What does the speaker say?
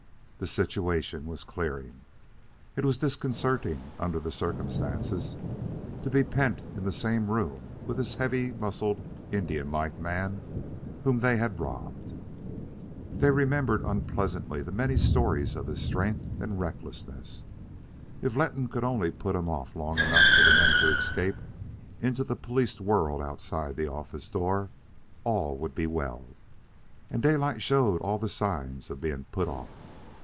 The situation was clearing. It was disconcerting, under the circumstances, to be pent in the same room with this heavy muscled, Indian like man whom they had robbed. They remembered unpleasantly the many stories of his strength and recklessness. If Letton could only put him off long enough for them to escape into the policed world outside the office door, all would be well; and Daylight showed all the signs of being put off.